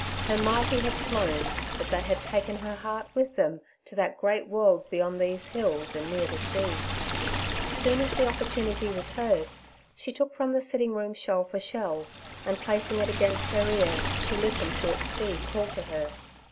Her mighty had flown, but they had taken her heart with them to that great world beyond these hills and near the sea. Soon as opportunity was hers, she took from the sitting room shelf a shell, and placing it against her ear, she listened to its sea call to her.